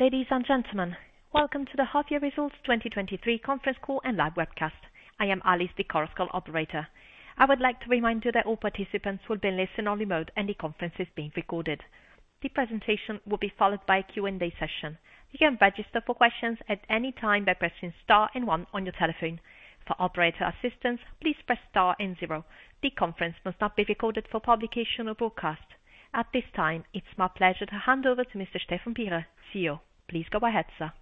Ladies and gentlemen, welcome to the Half-Year Results 2023 Conference Call and Live Webcast. I am Alice, the Conference Call Operator. I would like to remind you that all participants will be in listen-only mode, and the conference is being recorded. The presentation will be followed by a Q&A session. You can register for questions at any time by pressing star and one on your telephone. For operator assistance, please press star and zero. The conference must not be recorded for publication or broadcast. At this time, it's my pleasure to hand over to Mr. Stefan Pierer; CEO. Please go ahead, sir.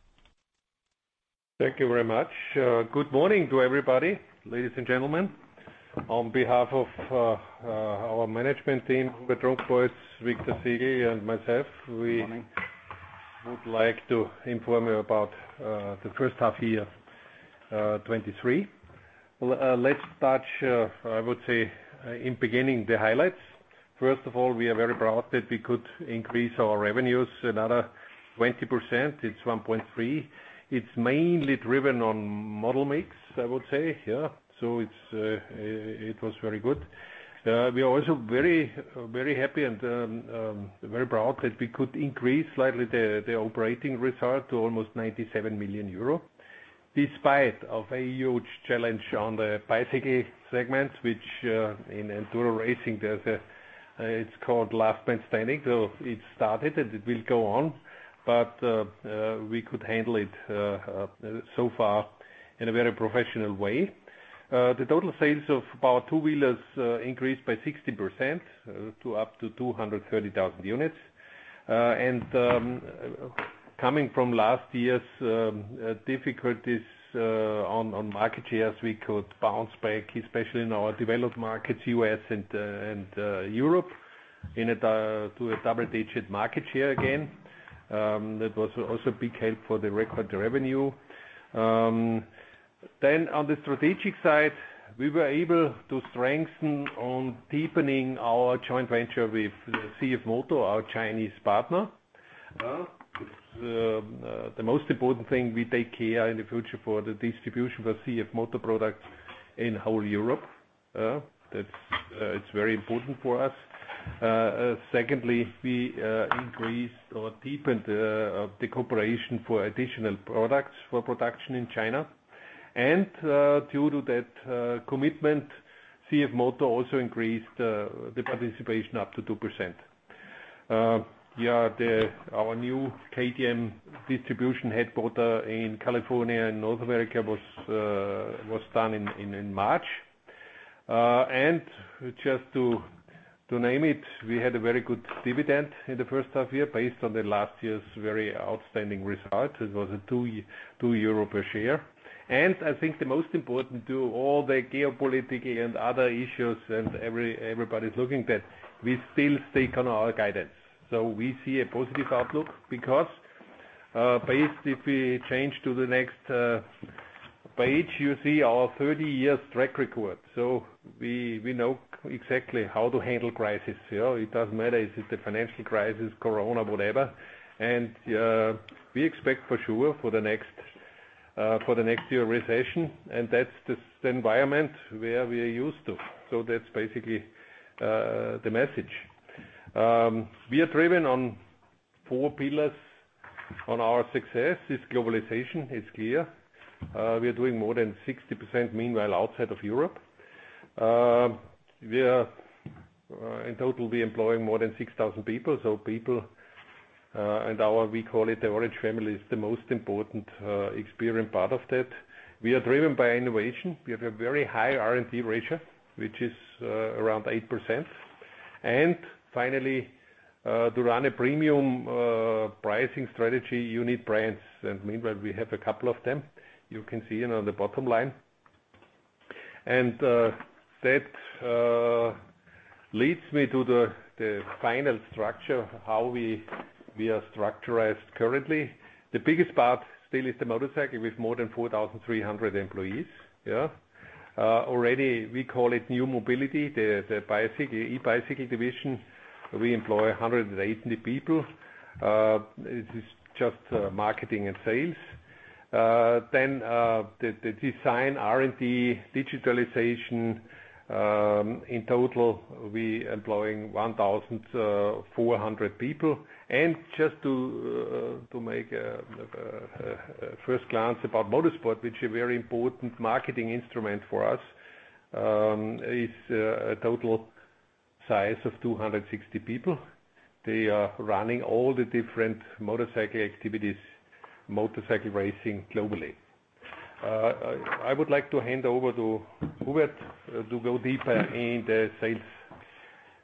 Thank you very much. Good morning to everybody, ladies and gentlemen. On behalf of our Management Team; Hubert Trunkenpolz, Viktor Sigl, and myself, we- Good morning. would like to inform you about the first half year 2023. Well, let's start, I would say, in the beginning, the highlights. First of all, we are very proud that we could increase our revenues another 20%, it's 1.3 billion. It's mainly driven on model mix, I would say, yeah, so it's, it was very good. We are also very, very happy and, very proud that we could increase slightly the operating result to almost 97 million euro, despite a huge challenge on the bicycle segment, which in enduro racing, there's a, it's called last man standing. So it started, and it will go on, but, we could handle it, so far in a very professional way. The total sales of power two-wheelers increased by 60% to up to 230,000 units. Coming from last year's difficulties on market shares, we could bounce back, especially in our developed markets, U.S. and Europe, in it to a double-digit market share again. That was also a big help for the record revenue. Then on the strategic side, we were able to strengthen on deepening our joint venture with CFMOTO, our Chinese partner. The most important thing, we take care in the future for the distribution for CFMOTO products in whole Europe. That's, it's very important for us. Secondly, we increased or deepened the cooperation for additional products for production in China. Due to that commitment, CFMOTO also increased the participation up to 2%. Yeah, our new KTM distribution headquarters in California and North America was done in March. And just to name it, we had a very good dividend in the first half year, based on the last year's very outstanding result. It was 2.2 euro per share. And I think the most important to all the geopolitical and other issues, and everybody's looking that, we still take on our guidance. So we see a positive outlook because, if we change to the next page, you see our 30 years track record. So we know exactly how to handle crisis. You know, it doesn't matter if it's the financial crisis, Corona, whatever. We expect for sure, for the next, for the next year, recession, and that's the environment where we are used to. That's basically the message. We are driven on four pillars on our success. It's globalization, it's clear. We are doing more than 60%, meanwhile, outside of Europe. We are, in total, we employ more than 6,000 people. So people, and our, we call it the Orange Family, is the most important, experienced part of that. We are driven by innovation. We have a very high R&D ratio, which is, around 8%. And finally, to run a premium, pricing strategy, you need brands, and meanwhile, we have a couple of them. You can see it on the bottom line. That leads me to the final structure, how we are structured currently. The biggest part still is the motorcycle, with more than 4,300 employees. Yeah. Already, we call it new mobility, the, e-bicycle division, we employ 180 people. It is just marketing and sales. Then, the design, R&D, digitalization, in total, we employing 1,400 people. And just to make a first glance about motorsport, which is a very important marketing instrument for us, is a total size of 260 people. They are running all the different motorcycle activities, motorcycle racing globally. I would like to hand over to Hubert, to go deeper in the sales.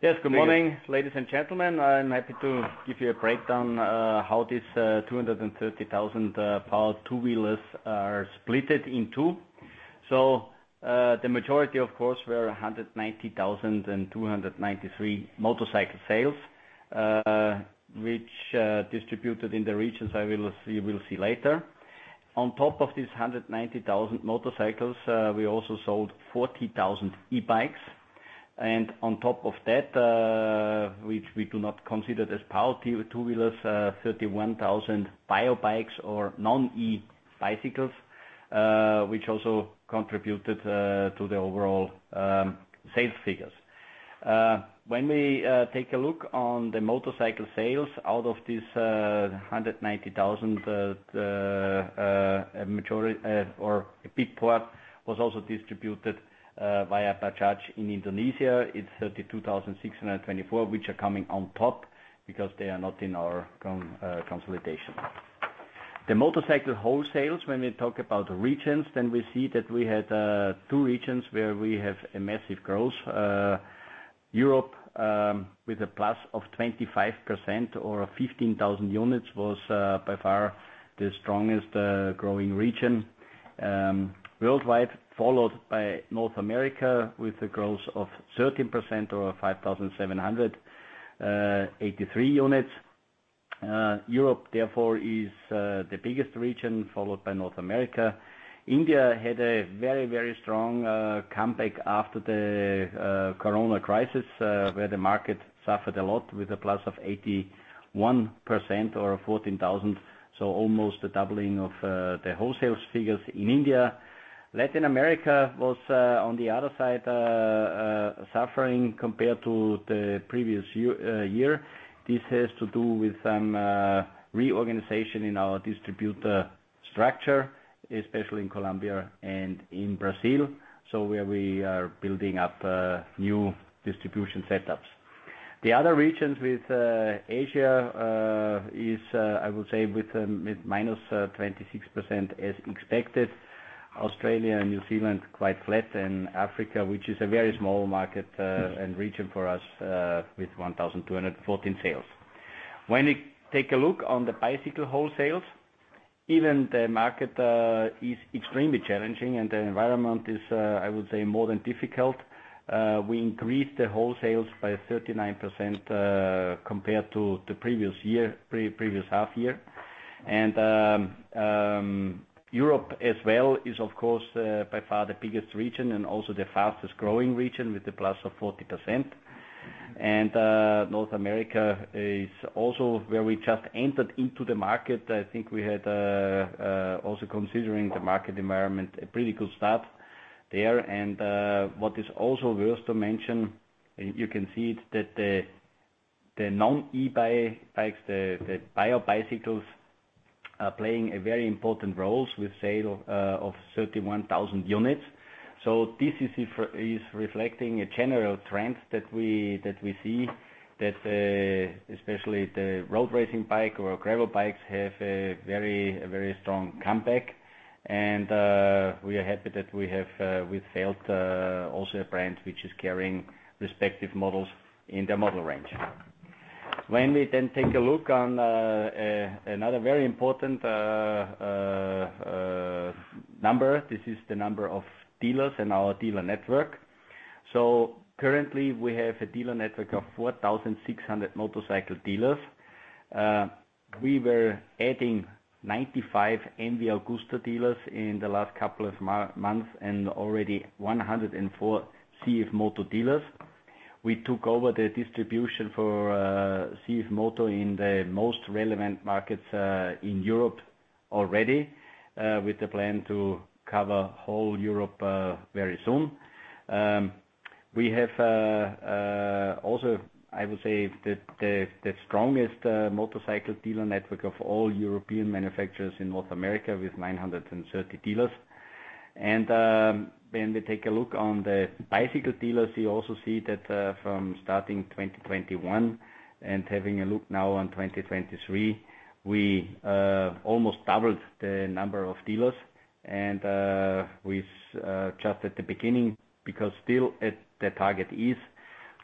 Yes, good morning, ladies and gentlemen. I'm happy to give you a breakdown how this 230,000 power two wheelers are splitted in two. So, the majority, of course, were 190,293 motorcycle sales, which distributed in the regions we'll see later. On top of these 190,000 motorcycles, we also sold 40,000 e-bikes. And on top of that, which we do not consider as power two wheelers, 31,000 bio bikes or non-e bicycles, which also contributed to the overall sales figures. When we take a look on the motorcycle sales out of this 190,000, a majority or a big part was also distributed via Bajaj in Indonesia. It's 32,624, which are coming on top because they are not in our con, consolidation. The motorcycle wholesales, when we talk about the regions, then we see that we had two regions where we have a massive growth. Europe, with a plus of 25% or 15,000 units, was by far the strongest growing region worldwide, followed by North America, with a growth of 13% or 5,783 units. Europe, therefore, is the biggest region, followed by North America. India had a very, very strong comeback after the corona crisis, where the market suffered a lot with a plus of 81% or 14,000, so almost a doubling of the wholesales figures in India. Latin America was, on the other side, suffering compared to the previous year. This has to do with some reorganization in our distributor structure, especially in Colombia and in Brazil, so where we are building up new distribution setups. The other regions with Asia is, I would say, with -26% as expected. Australia and New Zealand, quite flat, and Africa, which is a very small market and region for us, with 1,214 sales. When you take a look on the bicycle wholesales, even the market is extremely challenging and the environment is, I would say, more than difficult. We increased the wholesales by 39%, compared to the previous year, previous half year. Europe as well is, of course, by far the biggest region and also the fastest growing region, with a +40%. North America is also where we just entered into the market. I think we had, also considering the market environment, a pretty good start there. What is also worth to mention, and you can see it, that the non-e-bikes, the bio bicycles are playing a very important roles with sale of 31,000 units. So this is reflecting a general trend that we see, that especially the road racing bike or gravel bikes have a very strong comeback. We are happy that we have with Felt also a brand which is carrying respective models in their model range. When we then take a look on another very important number, this is the number of dealers in our dealer network. Currently, we have a dealer network of 4,600 motorcycle dealers. We were adding 95 MV Agusta dealers in the last couple of months, and already 104 CFMOTO dealers. We took over the distribution for CFMOTO in the most relevant markets in Europe already, with the plan to cover whole Europe very soon. We have also, I would say, the strongest motorcycle dealer network of all European manufacturers in North America, with 930 dealers. When we take a look on the bicycle dealers, you also see that from starting 2021 and having a look now on 2023, we almost doubled the number of dealers. We've just at the beginning, because still at the target is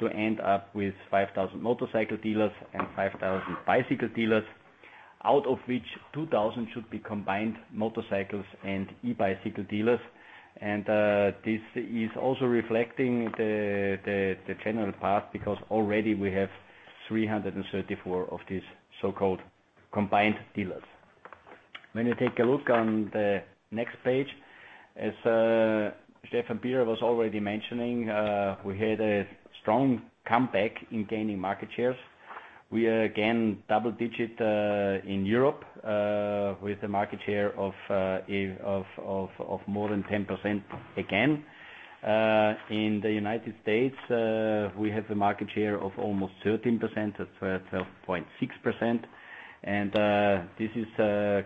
to end up with 5,000 motorcycle dealers and 5,000 bicycle dealers, out of which 2,000 should be combined motorcycles and e-bicycle dealers. This is also reflecting the general path, because already we have 334 of these so-called combined dealers. When you take a look on the next page, as Stefan Pierer was already mentioning, we had a strong comeback in gaining market shares. We are again double-digit in Europe with a market share of more than 10% again. In the United States, we have a market share of almost 13%, at 12.6%. This is,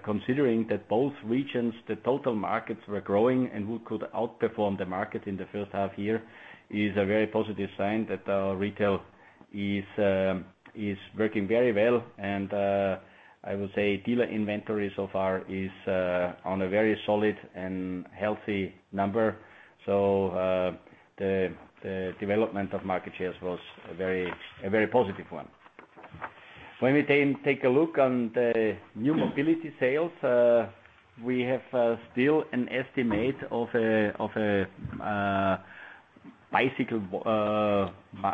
considering that both regions, the total markets were growing, and we could outperform the market in the first half year, is a very positive sign that retail is working very well. I would say dealer inventory so far is on a very solid and healthy number. The development of market shares was a very, a very positive one. When we take a look on the new mobility sales, we have still an estimate of a bicycle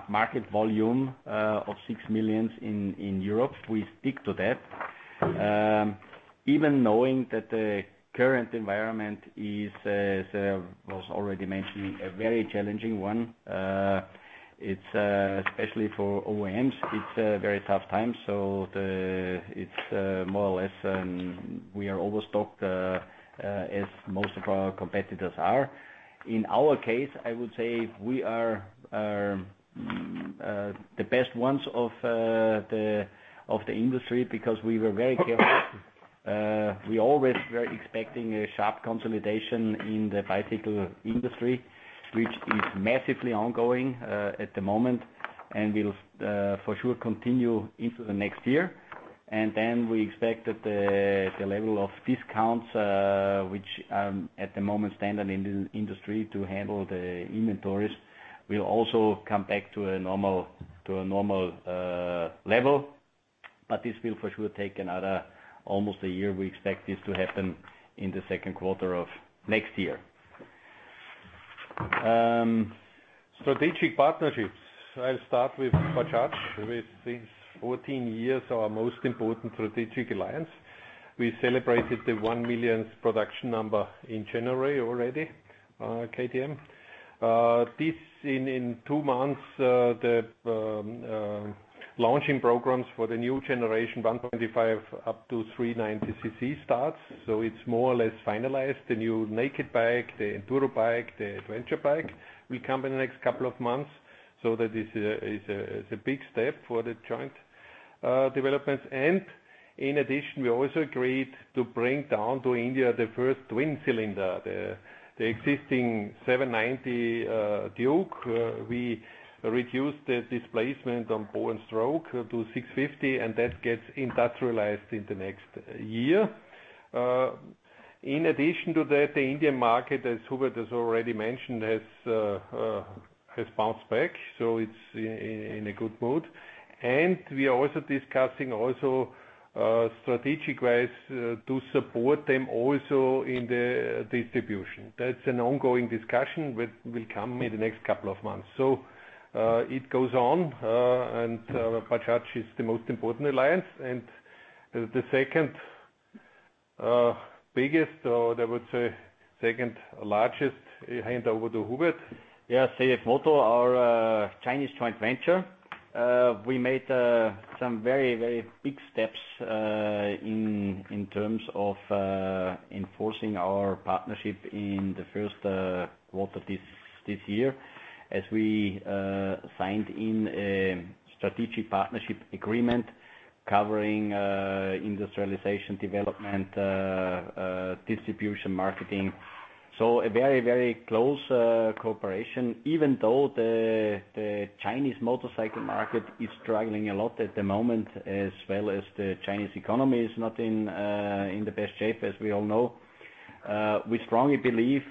market volume of six million in Europe. We stick to that. Even knowing that the current environment is, as I was already mentioning, a very challenging one, it's especially for OEMs, it's a very tough time. So it's more or less we are overstocked, as most of our competitors are. In our case, I would say we are the best ones of the industry, because we were very careful. We always were expecting a sharp consolidation in the bicycle industry, which is massively ongoing at the moment, and will for sure continue into the next year. And then we expect that the level of discounts, which at the moment standard in the industry to handle the inventories, will also come back to a normal level. But this will for sure take another almost a year. We expect this to happen in the second quarter of next year. Strategic partnerships. I'll start with Bajaj, with these 14 years, our most important strategic alliance. We celebrated the 1 millionth production number in January already, KTM. This in two months, the launching programs for the new generation 125 up to 390 cc starts. So it's more or less finalized. The new naked bike, the enduro bike, the adventure bike, will come in the next couple of months. So that is a, is a, is a big step for the joint developments. And in addition, we also agreed to bring down to India, the first twin cylinder. The, the existing 790 Duke, we reduced the displacement on bore and stroke to 650, and that gets industrialized in the next year. In addition to that, the Indian market, as Hubert has already mentioned, has bounced back, so it's in a good mood. And we are also discussing strategic ways to support them also in the distribution. That's an ongoing discussion, which will come in the next couple of months. So, it goes on, and Bajaj is the most important alliance, and the second biggest, or I would say second largest. I hand over to Hubert. Yeah, CFMOTO, our Chinese joint venture, we made some very, very big steps in terms of enforcing our partnership in the first quarter of this year, as we signed a strategic partnership agreement covering industrialization, development, distribution, marketing. So very close cooperation, even though the Chinese motorcycle market is struggling a lot at the moment, as well as the Chinese economy is not in the best shape, as we all know. We strongly believe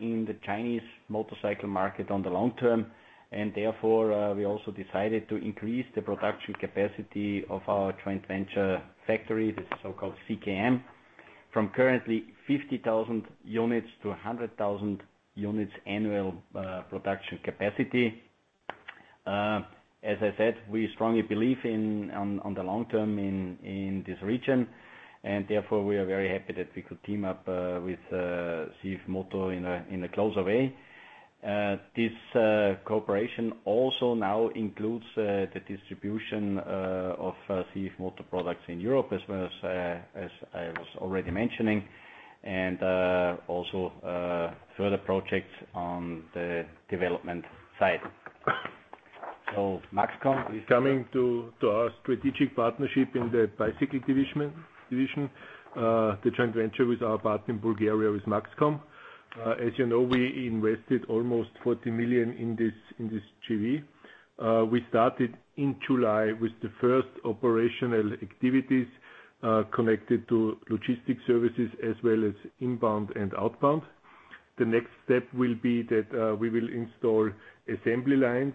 in the Chinese motorcycle market on the long term, and therefore, we also decided to increase the production capacity of our joint venture factory, the so called CKM, from currently 50,000 units to 100,000 units annual production capacity. As I said, we strongly believe in the long term in this region, and therefore, we are very happy that we could team up with CFMOTO in a closer way. This cooperation also now includes the distribution of CFMOTO products in Europe, as well as, as I was already mentioning, and also further projects on the development side. So MAXCOM is-Coming to our strategic partnership in the bicycle division, the joint venture with our partner in Bulgaria, with MAXCOM. As you know, we invested almost 40 million in this, in this JV. We started in July with the first operational activities, connected to logistic services as well as inbound and outbound. The next step will be that, we will install assembly lines,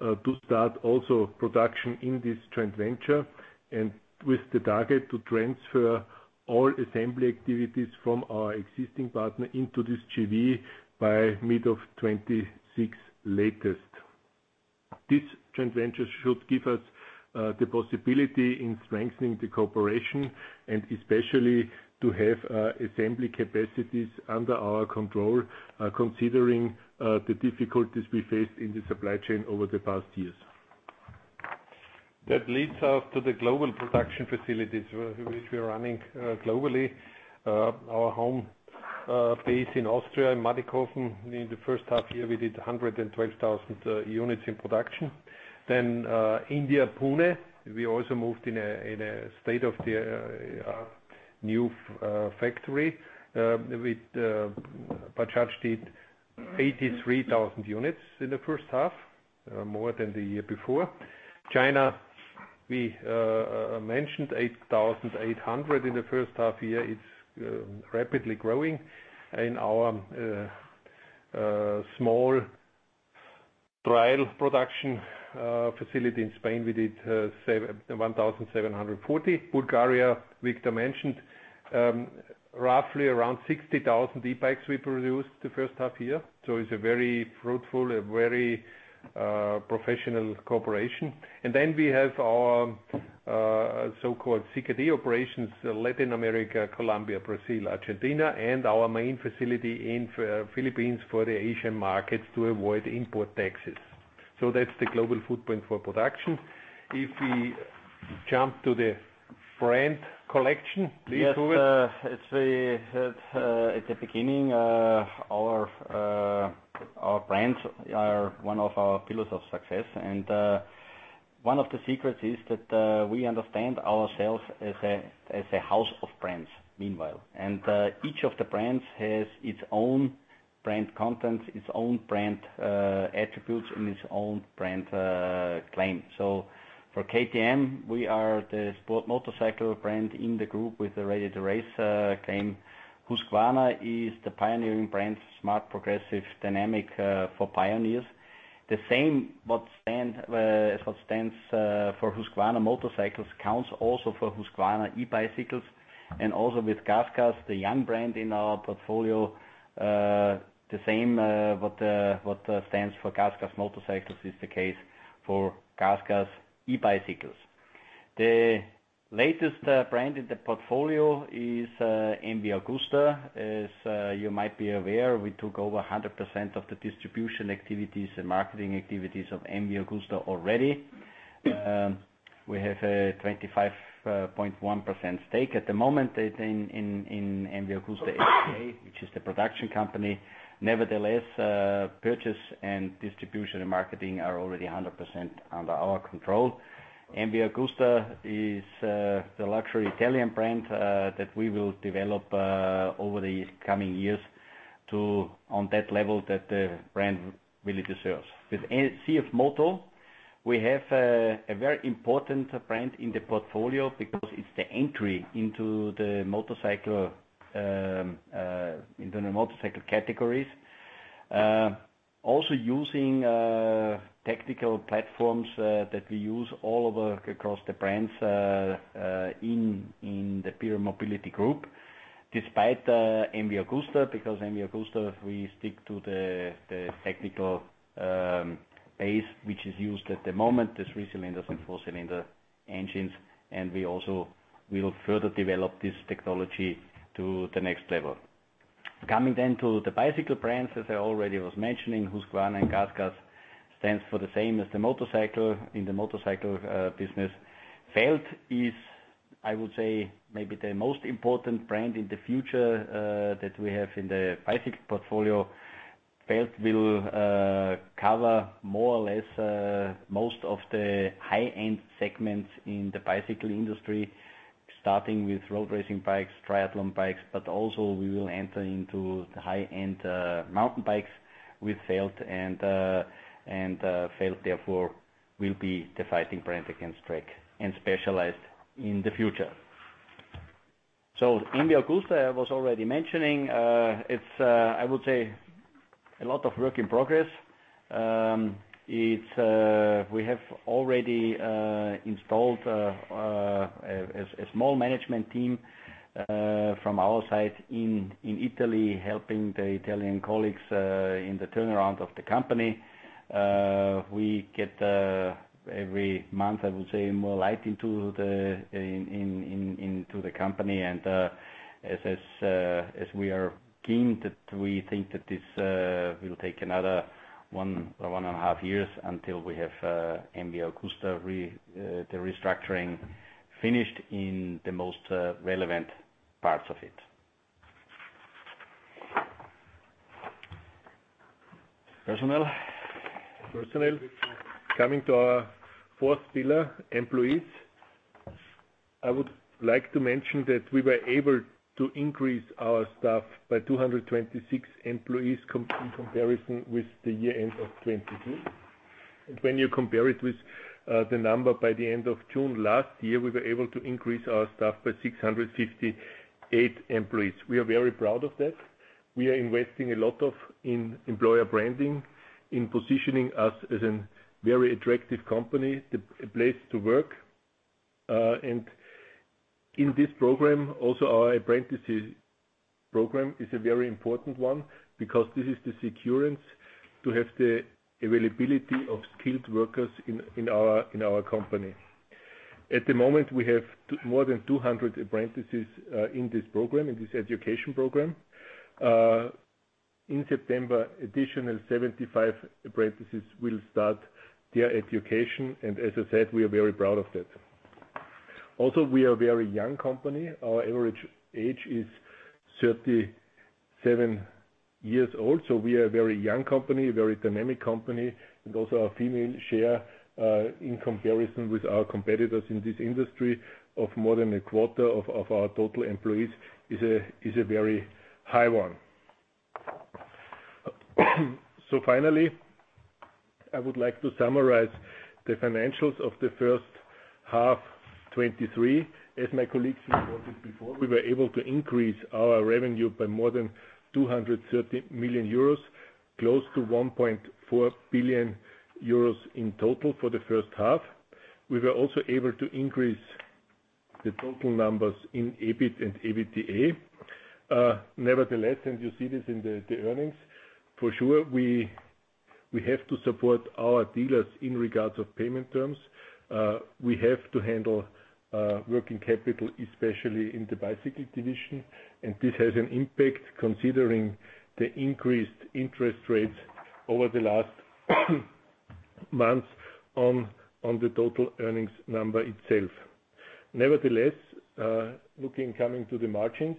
to start also production in this joint venture, and with the target to transfer all assembly activities from our existing partner into this JV by mid of 2026, latest. This joint venture should give us, the possibility in strengthening the cooperation and especially to have, assembly capacities under our control, considering, the difficulties we faced in the supply chain over the past years. That leads us to the global production facilities, which we are running, globally. Our home base in Austria, in Mattighofen. In the first half year, we did 112,000 units in production. Then, India, Pune, we also moved in a, in a state-of-the-art, new, factory, with, Bajaj did 83,000 units in the first half, more than the year before. China, we mentioned 8,800 in the first half year. It's rapidly growing. In our small trial production facility in Spain, we did 1,740. Bulgaria, Viktor mentioned, roughly around 60,000 e-bikes we produced the first half year. So it's a very fruitful and very professional cooperation. Then we have our so-called CKD operations, Latin America, Colombia, Brazil, Argentina, and our main facility in Philippines for the Asian markets to avoid import taxes. So that's the global footprint for production. If we jump to the next- Brand collection, please, Hubert? Yes, as we said, at the beginning, our brands are one of our pillars of success. One of the secrets is that we understand ourselves as a house of brands, meanwhile. Each of the brands has its own brand contents, its own brand attributes, and its own brand claim. So for KTM, we are the sport motorcycle brand in the group with the Ready to Race claim. Husqvarna is the pioneering brand, smart, progressive, dynamic, for pioneers. The same what stands for Husqvarna motorcycles counts also for Husqvarna e-bicycles, and also with GASGAS, the young brand in our portfolio. The same what stands for GASGAS motorcycles is the case for GASGAS e-bicycles. The latest brand in the portfolio is MV Agusta. As you might be aware, we took over 100% of the distribution activities and marketing activities of MV Agusta already. We have a 25.1% stake at the moment in MV Agusta S.p.A., which is the production company. Nevertheless, purchase and distribution and marketing are already 100% under our control. MV Agusta is the luxury Italian brand that we will develop over the coming years to on that level that the brand really deserves. With CFMoto, we have a very important brand in the portfolio because it's the entry into the motorcycle categories. Also using technical platforms that we use all over across the brands in the PIERER Mobility Group, despite MV Agusta, because MV Agusta, we stick to the technical base, which is used at the moment, the three-cylinders and four-cylinder engines, and we also will further develop this technology to the next level. Coming then to the bicycle brands, as I already was mentioning, Husqvarna and GASGAS stands for the same as the motorcycle in the motorcycle business. Felt is, I would say, maybe the most important brand in the future that we have in the bicycle portfolio. Felt will cover more or less most of the high-end segments in the bicycle industry, starting with road racing bikes, triathlon bikes, but also we will enter into the high-end mountain bikes with Felt and Felt, therefore, will be the fighting brand against Trek and Specialized in the future. So MV Agusta, I was already mentioning, it's a lot of work in progress. It's we have already installed a small management team from our side in Italy, helping the Italian colleagues in the turnaround of the company. We get every month, I would say, more light into the company. As we are keen to, we think that this will take another one or one and a half years until we have MV Agusta, the restructuring will be finished in the most relevant parts of it. Personnel? Personnel. Coming to our fourth pillar, employees. I would like to mention that we were able to increase our staff by 226 employees in comparison with the year end of 2022. When you compare it with the number by the end of June last year, we were able to increase our staff by 658 employees. We are very proud of that. We are investing a lot in employer branding, in positioning us as a very attractive company, a place to work. In this program, also, our apprentices program is a very important one because this is the assurance to have the availability of skilled workers in our company. At the moment, we have more than 200 apprentices in this program, in this education program. In September, additional 75 apprentices will start their education, and as I said, we are very proud of that. Also, we are a very young company. Our average age is 37 years old, so we are a very young company, and also our female share, in comparison with our competitors in this industry, of more than a quarter of our total employees, is a very high one. So finally, I would like to summarize the financials of the first half 2023. As my colleagues reported before, we were able to increase our revenue by more than 230 million euros, close to 1.4 billion euros in total for the first half. We were also able to increase the total numbers in EBIT and EBITDA. Nevertheless, and you see this in the earnings, for sure, we have to support our dealers in regards to payment terms. We have to handle working capital, especially in the bicycle division, and this has an impact considering the increased interest rates over the last months on the total earnings number itself. Nevertheless, coming to the margins,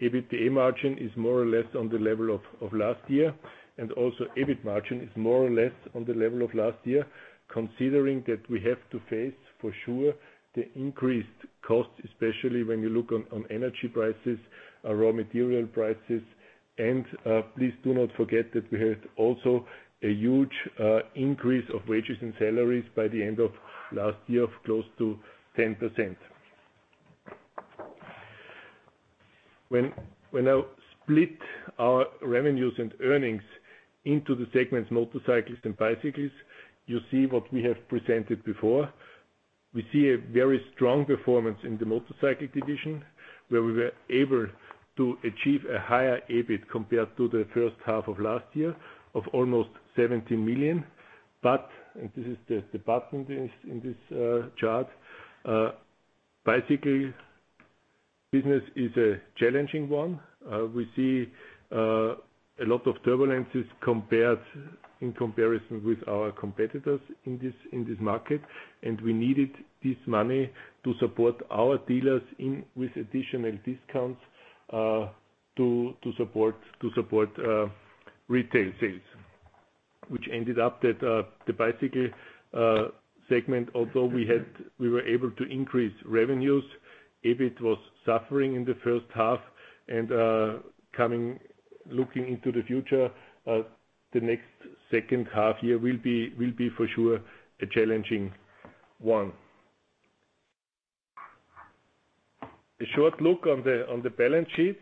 EBITDA margin is more or less on the level of last year, and also EBIT margin is more or less on the level of last year, considering that we have to face, for sure, the increased costs, especially when you look on energy prices, raw material prices. Please do not forget that we had also a huge increase of wages and salaries by the end of last year, of close to 10%. When I split our revenues and earnings into the segments, motorcycles and bicycles, you see what we have presented before. We see a very strong performance in the motorcycle division, where we were able to achieve a higher EBIT compared to the first half of last year, of almost 17 million. But, and this is the bottom in this chart, basically, business is a challenging one. We see a lot of turbulences compared in comparison with our competitors in this market, and we needed this money to support our dealers in with additional discounts to support retail sales. Which ended up that the bicycle segment, although we were able to increase revenues, EBIT was suffering in the first half. Coming, looking into the future, the next second half year will be, for sure, a challenging one. A short look on the balance sheet.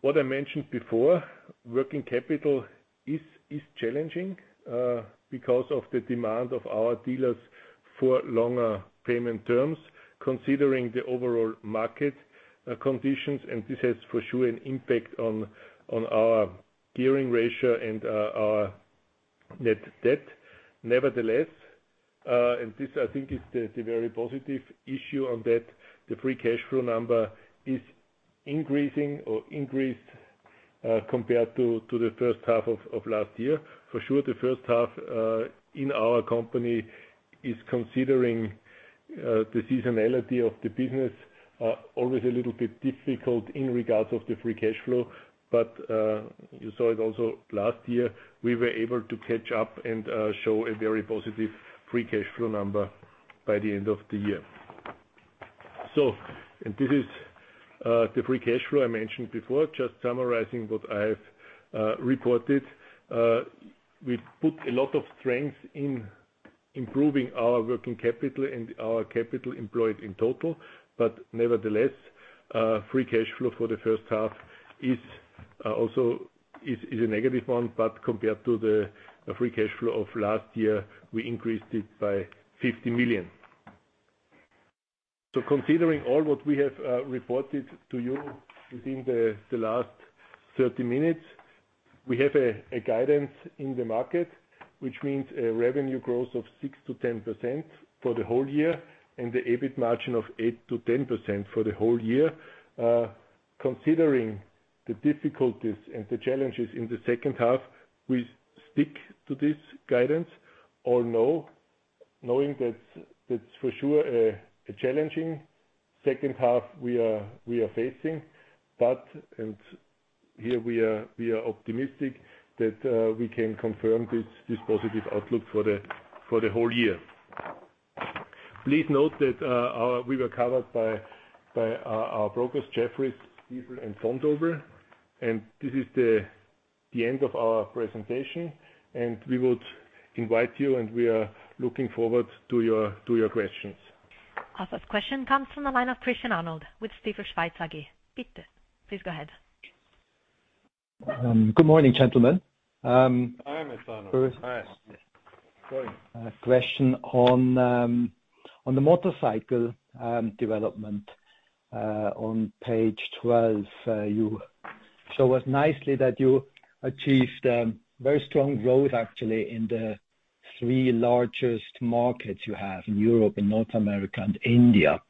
What I mentioned before, working capital is challenging because of the demand of our dealers for longer payment terms, considering the overall market conditions, and this has, for sure, an impact on our gearing ratio and our net debt. Nevertheless, and this, I think, is the very positive issue on that, the free cash flow number is increasing or increased compared to the first half of last year. For sure, the first half in our company is considering the seasonality of the business, always a little bit difficult in regards of the free cash flow. But, you saw it also last year, we were able to catch up and, show a very positive free cash flow number by the end of the year. So, and this is, the free cash flow I mentioned before, just summarizing what I have, reported. We put a lot of strength in improving our working capital and our capital employed in total, but nevertheless, free cash flow for the first half is, also is, is a negative 1 million, but compared to the free cash flow of last year, we increased it by 50 million. So considering all what we have reported to you within the last 30 minutes, we have a guidance in the market, which means a revenue growth of 6%-10% for the whole year, and the EBIT margin of 8%-10% for the whole year. Considering the difficulties and the challenges in the second half, we stick to this guidance you know, knowing that that's for sure a challenging second half we are facing. But and here we are optimistic that we can confirm this positive outlook for the whole year. Please note that we were covered by our brokers, Jefferies, Stifel, and Vontobel. And this is the end of our presentation, and we would invite you, and we are looking forward to your questions. Our first question comes from the line of Christian Arnold, with Stifel Schweiz AG. Please go ahead. Good morning, gentlemen. Hi, Mr. Arnold. Hi. First, question on the motorcycle development. On page 12, you show us nicely that you achieved very strong growth, actually, in the three largest markets you have in Europe and North America and India.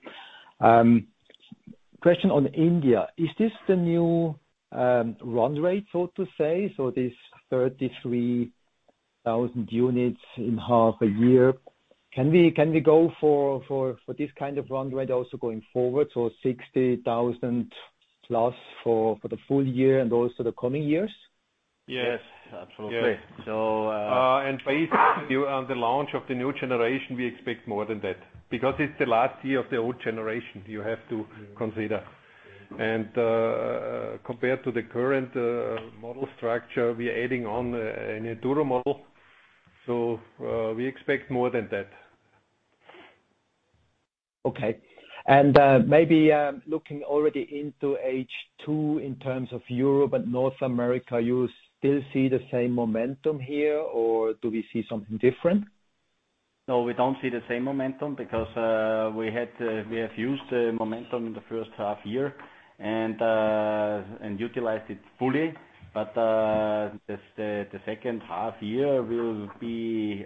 Question on India: Is this the new run rate, so to say, so this 33,000 units in half a year? Can we go for this kind of run rate also going forward, so 60,000 plus for the full year and also the coming years? Yes, absolutely. Yes. So, uh- Based on the launch of the new generation, we expect more than that, because it's the last year of the old generation you have to consider. Compared to the current model structure, we are adding on a new tour model, so we expect more than that. Okay. And maybe looking already into H2 in terms of Europe and North America, you still see the same momentum here, or do we see something different? No, we don't see the same momentum because we have used the momentum in the first half year and utilized it fully. But the second half year will be,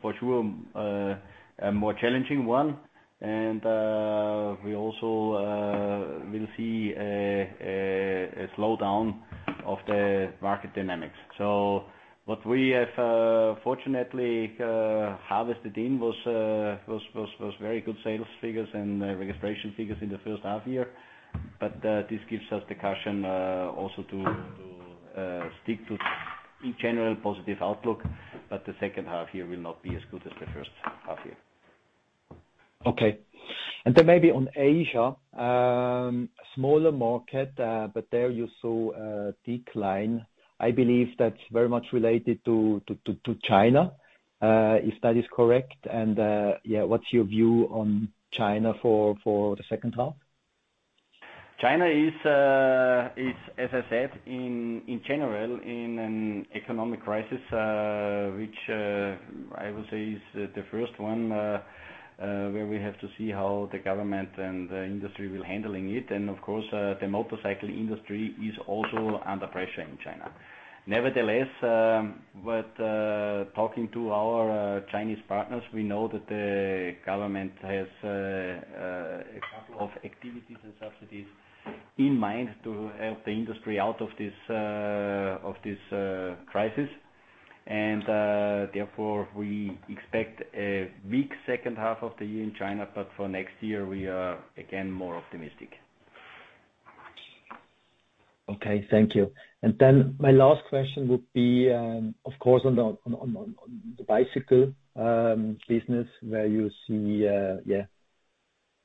for sure, a more challenging one. And we also,... we'll see a slowdown of the market dynamics. So what we have fortunately harvested in was very good sales figures and registration figures in the first half year. But this gives us the caution also to stick to a general positive outlook. But the second half year will not be as good as the first half year. Okay. And then maybe on Asia, a smaller market, but there you saw a decline. I believe that's very much related to China, if that is correct, and yeah, what's your view on China for the second half? China is, as I said, in general, in an economic crisis, which I would say is the first one where we have to see how the government and the industry will handling it. And of course, the motorcycle industry is also under pressure in China. Nevertheless, but talking to our Chinese partners, we know that the government has a couple of activities and subsidies in mind to help the industry out of this crisis. And therefore, we expect a weak second half of the year in China, but for next year, we are again more optimistic. Okay, thank you. And then my last question would be, of course, on the bicycle business, where you see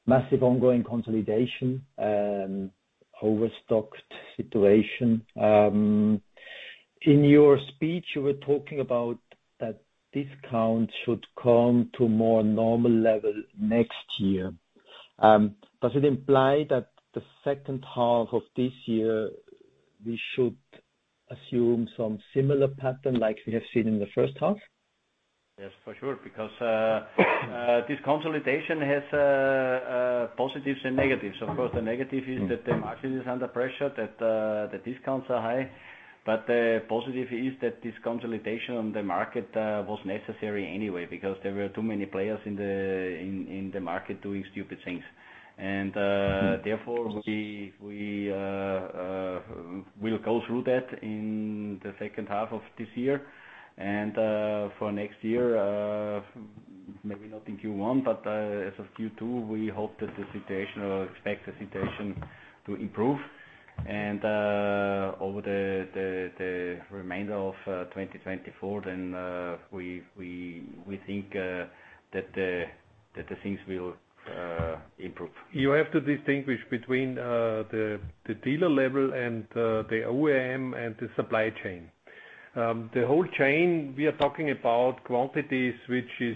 massive ongoing consolidation, overstocked situation. In your speech, you were talking about that discounts should come to a more normal level next year. Does it imply that the second half of this year, we should assume some similar pattern like we have seen in the first half? Yes, for sure, because this consolidation has positives and negatives. Of course, the negative is that the market is under pressure, that the discounts are high, but the positive is that this consolidation on the market was necessary anyway. Because there were too many players in the market doing stupid things. And therefore, we'll go through that in the second half of this year. And for next year, maybe not in Q1, but as of Q2, we hope that the situation or expect the situation to improve. And over the remainder of 2024, then we think that the things will improve. You have to distinguish between the dealer level and the OEM and the supply chain. The whole chain, we are talking about quantities, which is,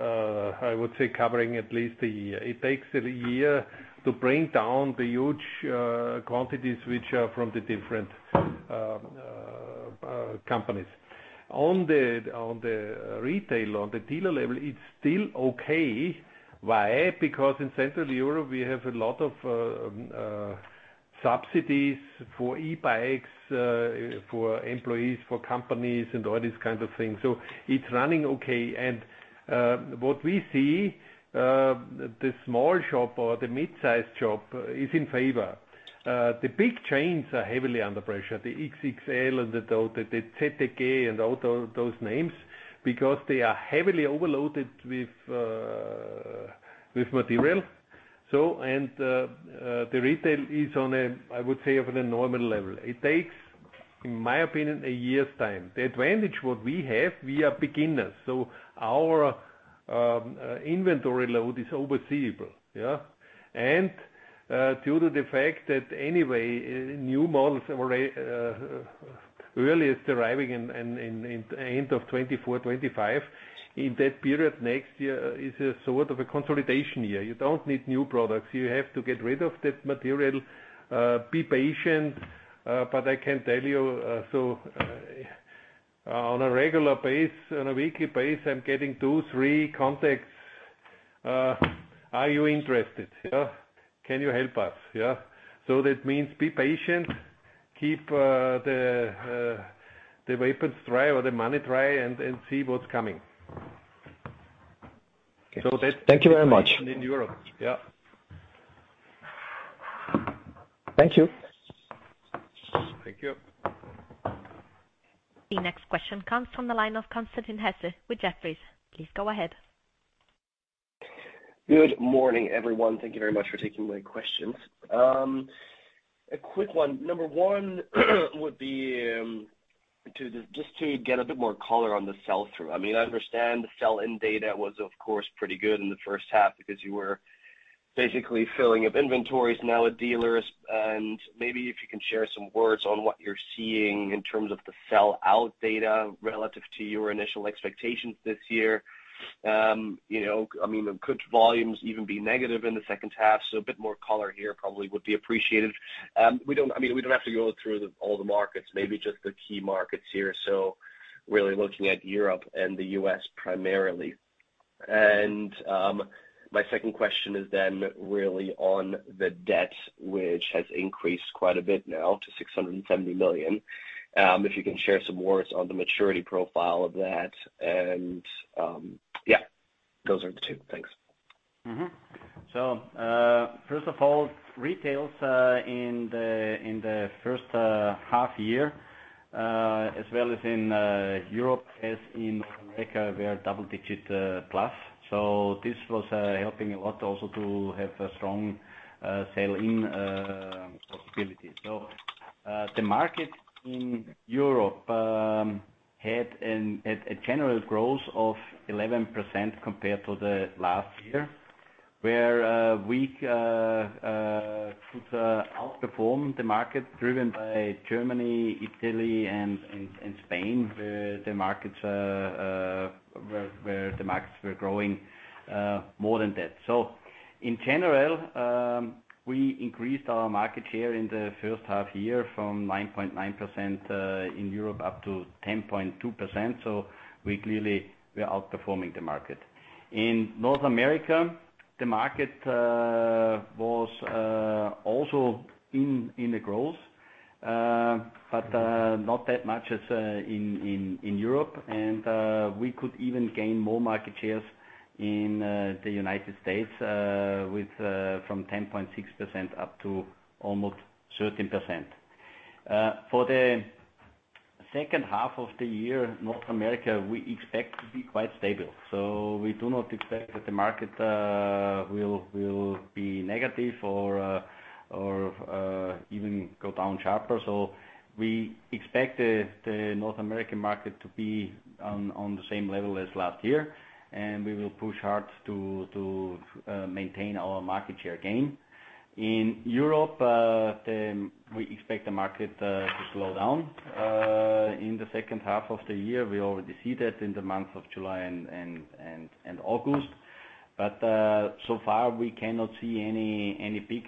I would say, covering at least a year. It takes a year to bring down the huge quantities, which are from the different companies. On the retail, on the dealer level, it's still okay. Why? Because in Central Europe, we have a lot of subsidies for e-bikes, for employees, for companies, and all these kind of things. So it's running okay. And what we see, the small shop or the mid-sized shop is in favor. The big chains are heavily under pressure, the XXL and the ZEG and all those names, because they are heavily overloaded with material. So, the retail is on a, I would say, on a normal level. It takes, in my opinion, a year's time. The advantage what we have, we are beginners, so our inventory load is overseeable, yeah? And, due to the fact that anyway, new models are earliest arriving in the end of 2024, 2025. In that period next year is a sort of a consolidation year. You don't need new products. You have to get rid of that material, be patient, but I can tell you, so, on a regular basis, on a weekly basis, I'm getting 2, 3 contacts. Are you interested? Yeah. Can you help us? Yeah. So that means be patient, keep the weapons dry or the money dry, and see what's coming. Okay. So that- Thank you very much. In Europe. Yeah. Thank you. Thank you. The next question comes from the line of Constantin Hesse with Jefferies. Please go ahead. Good morning, everyone. Thank you very much for taking my questions. A quick one. Number one, would be to just get a bit more color on the sell-through. I mean, I understand the sell-in data was, of course, pretty good in the first half because you were basically filling up inventories now with dealers. And maybe if you can share some words on what you're seeing in terms of the sell-out data relative to your initial expectations this year. You know, I mean, could volumes even be negative in the second half? So a bit more color here probably would be appreciated. We don't, I mean, we don't have to go through all the markets, maybe just the key markets here. So really looking at Europe and the U.S. primarily. My second question is then really on the debt, which has increased quite a bit now to 670 million. If you can share some words on the maturity profile of that. And yeah, those are the two. Thanks. So, first of all, retails in the first half year, as well as in Europe, as in America, were double-digit +. So this was helping a lot also to have a strong sell-in possibility. So, the market in Europe had a general growth of 11% compared to last year, where we could outperform the market, driven by Germany, Italy, and Spain. Where the markets were growing more than that. So in general, we increased our market share in the first half year from 9.9% in Europe up to 10.2%. So we clearly are outperforming the market. In North America, the market was also in the growth, but not that much as in Europe. We could even gain more market shares in the United States with from 10.6% up to almost 13%. For the second half of the year, North America, we expect to be quite stable. We do not expect that the market will be negative or even go down sharper. We expect the North American market to be on the same level as last year, and we will push hard to maintain our market share gain. In Europe, we expect the market to slow down in the second half of the year. We already see that in the month of July and August. But so far, we cannot see any big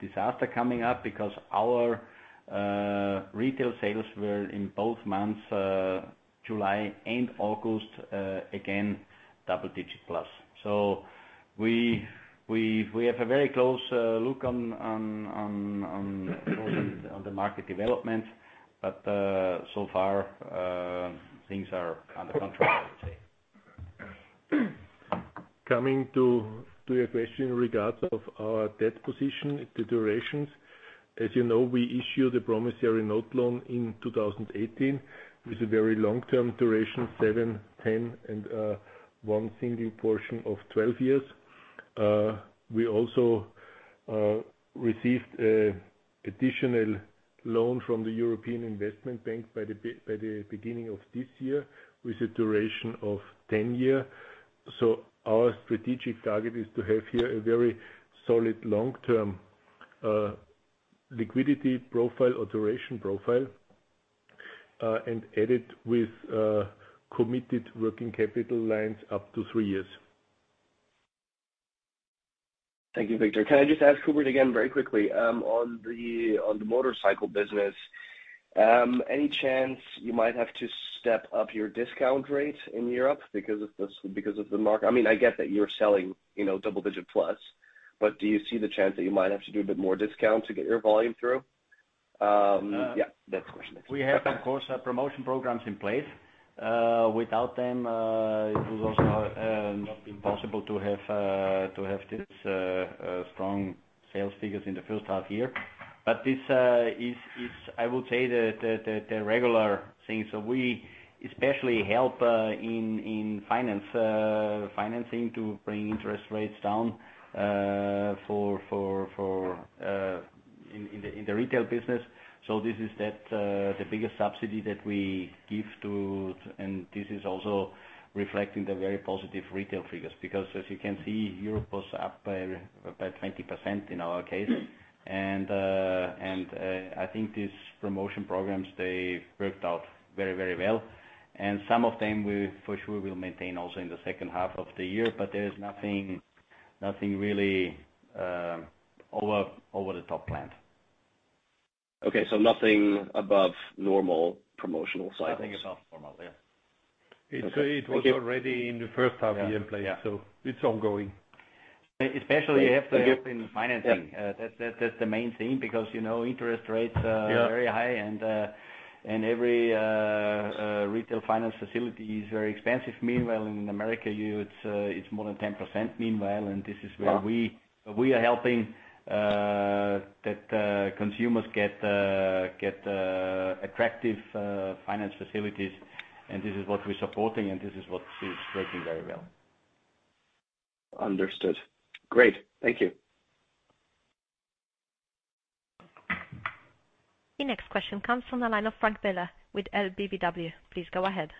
disaster coming up because our retail sales were in both months, July and August, again, double-digit plus. So we have a very close look on the market development, but so far, things are under control, I would say. Coming to your question in regards of our debt position, the durations. As you know, we issued a promissory note loan in 2018, with a very long-term duration, 7, 10, and one single portion of 12 years. We also received additional loan from the European Investment Bank by the beginning of this year, with a duration of 10 year. So our strategic target is to have here a very solid, long-term liquidity profile or duration profile, and add it with committed working capital lines up to three years. Thank you, Viktor. Can I just ask Hubert again, very quickly, on the motorcycle business, any chance you might have to step up your discount rate in Europe because of the market? I mean, I get that you're selling, you know, double digit plus, but do you see the chance that you might have to do a bit more discount to get your volume through? Yeah, that's the question. We have, of course, promotion programs in place. Without them, it was also not possible to have this strong sales figures in the first half year. But this is, I would say, the regular thing. So we especially help in financing to bring interest rates down for in the retail business. So this is the biggest subsidy that we give to... And this is also reflecting the very positive retail figures. Because as you can see, Europe was up by 20% in our case. And I think these promotion programs, they've worked out very, very well. And some of them, we for sure will maintain also in the second half of the year. There is nothing, nothing really, over-the-top planned. Okay, so nothing above normal promotional cycles? Nothing above normal, yeah. It, uh- Okay. It was already in the first half year in place- Yeah, yeah. So it's ongoing. Especially, you have to help in the financing. Yeah. That's the main thing, because, you know, interest rates are- Yeah... very high, and every retail finance facility is very expensive. Meanwhile, in America, you, it's more than 10% meanwhile, and this is where- Wow! We are helping that consumers get attractive finance facilities. And this is what we're supporting, and this is what is working very well. Understood. Great. Thank you. The next question comes from the line of Frank Biller with LBBW. Please go ahead.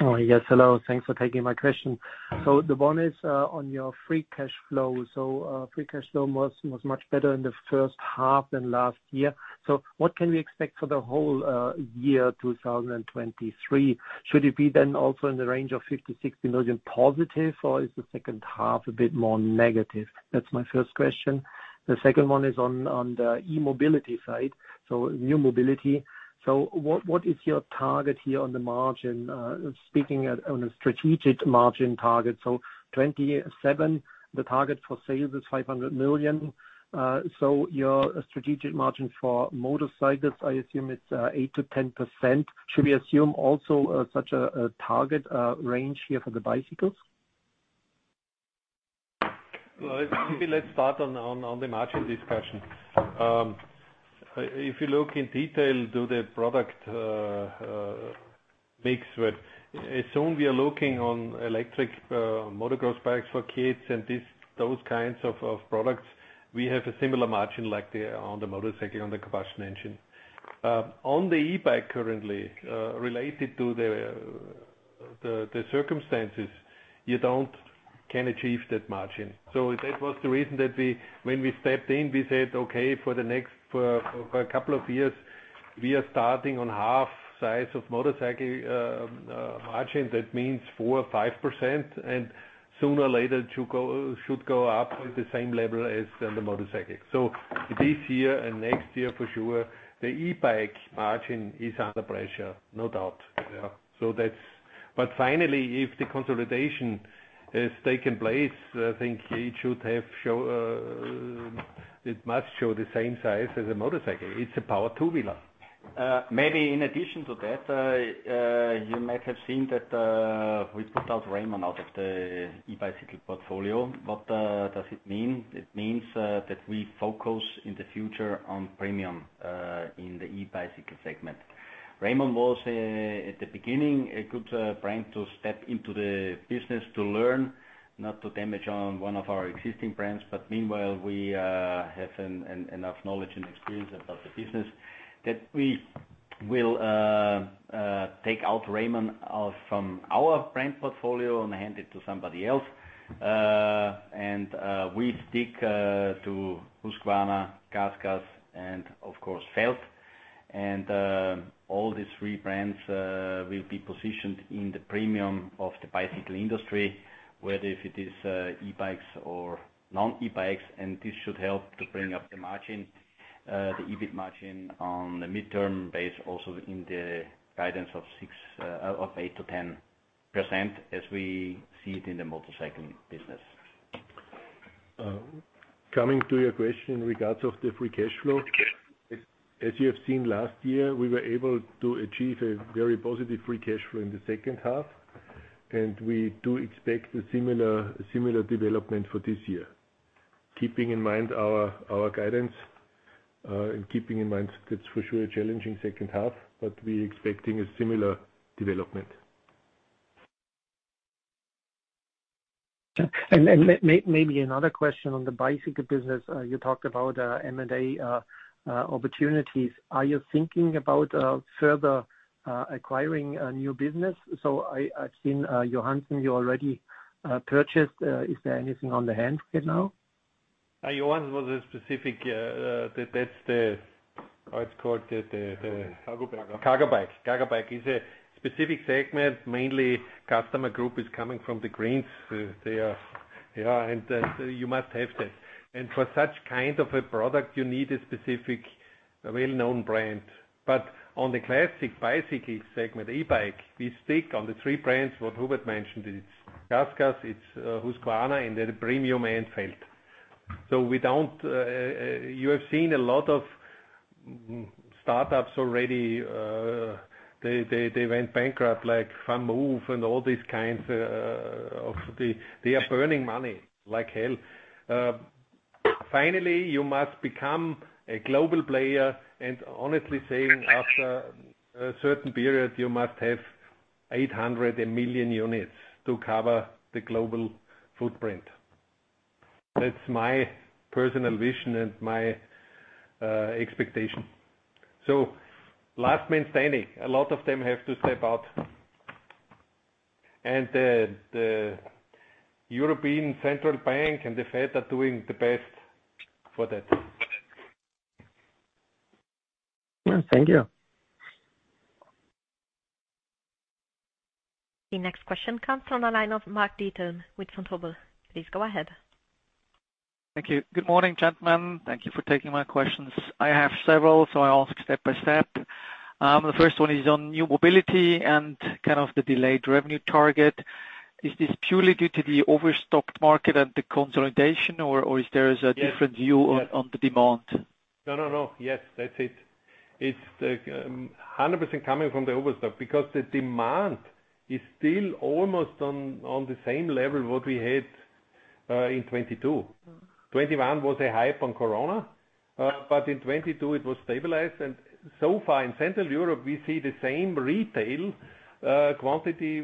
Yes, hello. Thanks for taking my question. So the one is on your free cash flow. So free cash flow was much better in the first half than last year. So what can we expect for the whole year, 2023? Should it be then also in the range of 50-60 million positive, or is the second half a bit more negative? That's my first question. The second one is on the e-mobility side. So what is your target here on the margin, speaking on a strategic margin target? So 2027, the target for sales is 500 million. So your strategic margin for motorcycles, I assume it's 8%-10%. Should we assume also such a target range here for the bicycles? Well, maybe let's start on the margin discussion. If you look in detail to the product mix with, as soon as we are looking on electric motocross bikes for kids and this—those kinds of products, we have a similar margin like the on the motorcycle, on the combustion engine. On the e-bike currently, related to the circumstances, you can't achieve that margin. So that was the reason that when we stepped in, we said, "Okay, for the next couple of years, we are starting on half size of motorcycle margin. That means 4% or 5%, and sooner or later, it should go up with the same level as the motorcycle. So this year and next year, for sure, the e-bike margin is under pressure, no doubt. Yeah. So that's but finally, if the consolidation has taken place, I think it should have show. It must show the same size as a motorcycle. It's a power two-wheeler. Maybe in addition to that, you might have seen that we put Raymon out of the e-bicycle portfolio. What does it mean? It means that we focus in the future on premium in the e-bicycle segment. Raymon was at the beginning a good brand to step into the business, to learn, not to damage on one of our existing brands. But meanwhile, we have enough knowledge and experience about the business, that we will take Raymon out from our brand portfolio and hand it to somebody else. And we stick to Husqvarna, GASGAS, and of course, Felt. All these three brands will be positioned in the premium of the bicycle industry, whether if it is e-bikes or non-e-bikes, and this should help to bring up the margin, the EBIT margin on the midterm base, also in the guidance of six, of 8%-10%, as we see it in the motorcycle business. Coming to your question in regards of the free cash flow. As you have seen last year, we were able to achieve a very positive free cash flow in the second half, and we do expect a similar development for this year. Keeping in mind our guidance, and keeping in mind, that's for sure, a challenging second half, but we're expecting a similar development. Maybe another question on the bicycle business. You talked about M&A opportunities. Are you thinking about further acquiring a new business? So I've seen Johansson you already purchased. Is there anything on hand right now? Johansen was a specific, that's the—how it's called, the, the- Cargo bike. Cargo bike. Cargo bike is a specific segment, mainly customer group is coming from the greens. They are, yeah, and you must have that. And for such kind of a product, you need a specific, a well-known brand. But on the classic bicycle segment, e-bike, we stick on the three brands, what Hubert mentioned, it's GASGAS, it's Husqvarna, and the premium end, Felt. So we don't... You have seen a lot of startups already, they went bankrupt, like VanMoof and all these kinds of the- Yes. They are burning money like hell. Finally, you must become a global player, and honestly saying, after a certain period, you must have 800 million units to cover the global footprint. That's my personal vision and my expectation. So last man standing, a lot of them have to step out. And the European Central Bank and the FED are doing the best for that. Yeah. Thank you. The next question comes from the line of Mark Diethelm with Vontobel. Please go ahead. Thank you. Good morning, gentlemen. Thank you for taking my questions. I have several, so I ask step by step. The first one is on new mobility and kind of the delayed revenue target. Is this purely due to the overstocked market and the consolidation, or, or is there a different view- Yes. on, on the demand? No. Yes, that's it. It's 100% coming from the overstock, because the demand is still almost on the same level what we had in 2022. 2021 was a hype on Corona, but in 2022 it was stabilized. And so far in Central Europe, we see the same retail quantity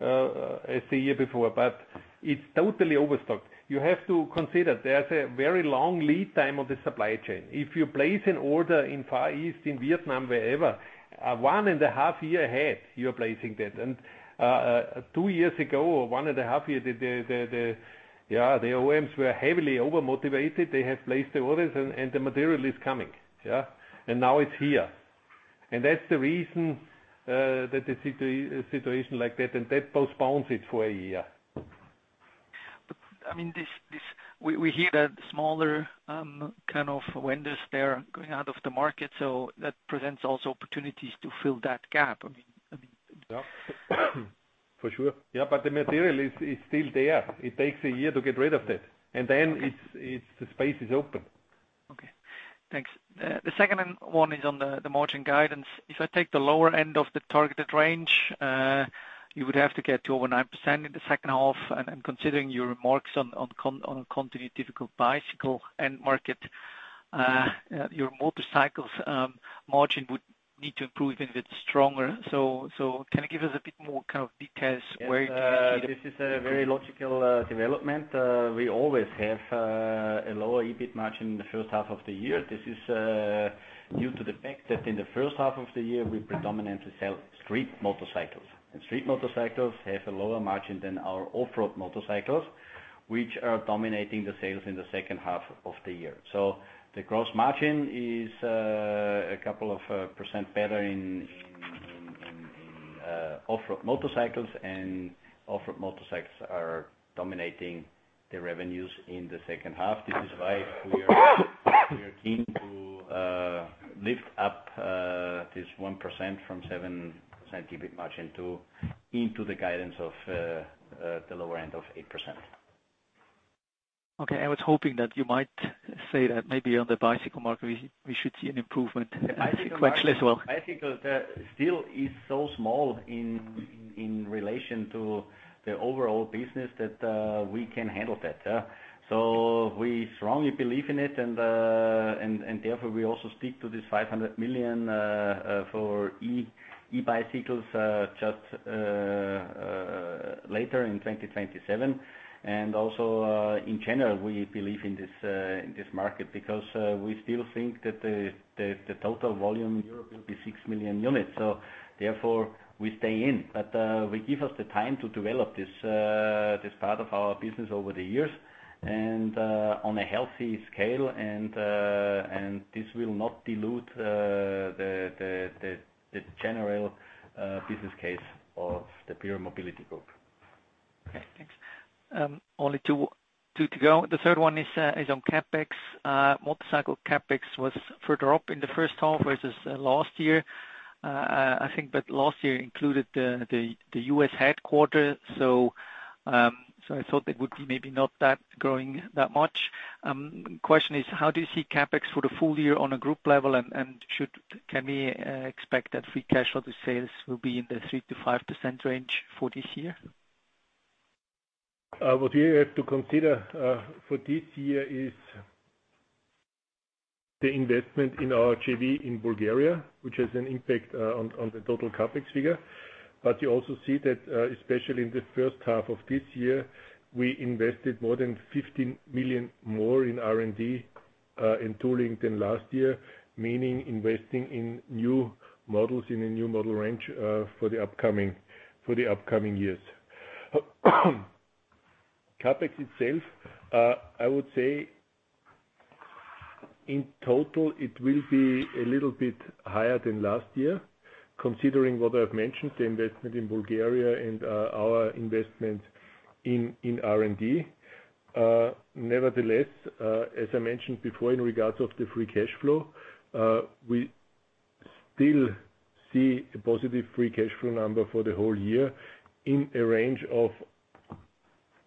as the year before, but it's totally overstocked. You have to consider, there's a very long lead time on the supply chain. If you place an order in Far East, in Vietnam, wherever, 1.5 years ahead, you're placing that. And two years ago, or 1.5 years, yeah, the OEMs were heavily over-motivated. They have placed the orders, and the material is coming. Yeah? And now it's here. That's the reason that the situation like that, and that postpones it for a year. I mean, this, we hear that smaller, kind of vendors, they are going out of the market, so that presents also opportunities to fill that gap. I mean, I mean- For sure. Yeah, but the material is still there. It takes a year to get rid of that, and then it's the space is open. Okay, thanks. The second one is on the margin guidance. If I take the lower end of the targeted range, you would have to get to over 9% in the second half. I'm considering your remarks on a continued difficult bicycle end market. Your motorcycles margin would need to improve even a bit stronger. Can you give us a bit more kind of details where- Yes, this is a very logical development. We always have a lower EBIT margin in the first half of the year. This is due to the fact that in the first half of the year, we predominantly sell street motorcycles. And street motorcycles have a lower margin than our off-road motorcycles, which are dominating the sales in the second half of the year. So the gross margin is a couple of % better in off-road motorcycles, and off-road motorcycles are dominating the revenues in the second half. This is why we are keen to lift up this 1% from 7% EBIT margin into the guidance of the lower end of 8%. Okay. I was hoping that you might say that maybe on the bicycle market, we should see an improvement actually as well. Bicycle still is so small in relation to the overall business that we can handle that, yeah. So we strongly believe in it, and therefore, we also speak to this 500 million for e-bicycles just later in 2027. And also, in general, we believe in this market, because we still think that the total volume in Europe will be 6 million units, so therefore we stay in. But we give us the time to develop this part of our business over the years and on a healthy scale, and this will not dilute the general business case of the PIERER Mobility Group. Okay, thanks. Only two, to go. The third one is on CapEx. Motorcycle CapEx was further up in the first half versus last year. I think but last year included the U.S. headquarters, so, so I thought it would be maybe not that growing that much. Question is: How do you see CapEx for the full year on a group level, and should--can we expect that free cash on the sales will be in the 3%-5% range for this year? What we have to consider, for this year is the investment in our JV in Bulgaria, which has an impact on the total CapEx figure. But you also see that, especially in the first half of this year, we invested more than 15 million more in R&D, in tooling than last year. Meaning investing in new models, in a new model range, for the upcoming years. CapEx itself, I would say, in total, it will be a little bit higher than last year, considering what I've mentioned, the investment in Bulgaria and our investment in R&D. Nevertheless, as I mentioned before, in regard to the free cash flow, we still see a positive free cash flow number for the whole year in a range of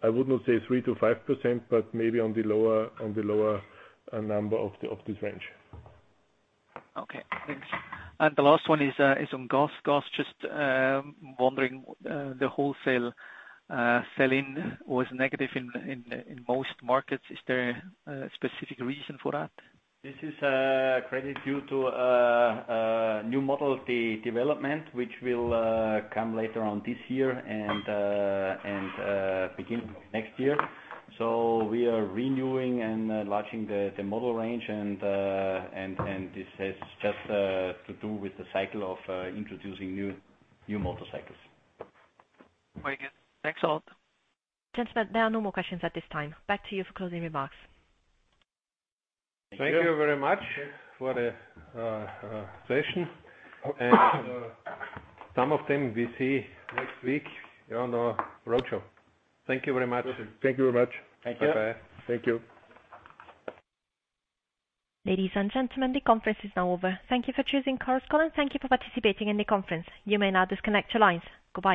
3%-5%, but maybe on the lower number of this range. Okay, thanks. The last one is on GASGAS. GASGAS, just wondering, the wholesale selling was negative in most markets. Is there a specific reason for that? This is clearly due to a new model, the development, which will come later on this year and beginning of next year. So we are renewing and launching the model range, and this has just to do with the cycle of introducing new motorcycles. Very good. Thanks a lot. Gentlemen, there are no more questions at this time. Back to you for closing remarks. Thank you very much for the session. Some of them we see next week on our roadshow. Thank you very much. Thank you. Bye-bye. Thank you. Ladies and gentlemen, the conference is now over. Thank you for choosing Corus Call, and thank you for participating in the conference. You may now disconnect your lines. Goodbye.